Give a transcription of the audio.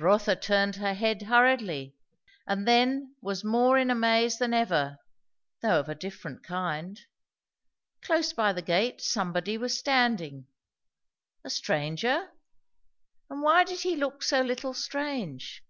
Rotha turned her head hurriedly, and then was more in a maze than ever, though of a different kind. Close by the gate somebody was standing. A stranger? And why did he look so little strange?